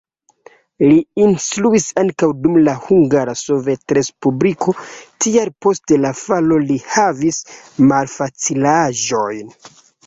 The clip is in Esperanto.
Li instruis ankaŭ dum la Hungara Sovetrespubliko, tial post la falo li havis malfacilaĵojn.